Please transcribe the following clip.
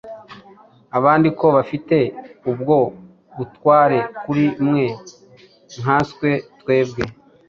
Abandi ko bafite ubwo butware kuri mwe, nkanswe twebwe?